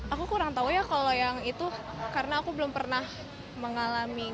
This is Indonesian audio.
aku kurang tahu ya kalau yang itu karena aku belum pernah mengalami